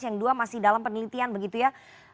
yang dua masih dalam penelitian begitu ya